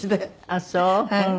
あっそう。